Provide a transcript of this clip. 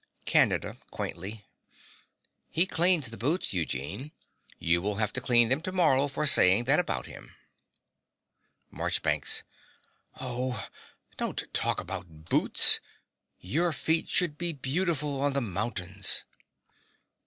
CANDIDA (quaintly). He cleans the boots, Eugene. You will have to clean them to morrow for saying that about him. MARCHBANKS. Oh! don't talk about boots. Your feet should be beautiful on the mountains.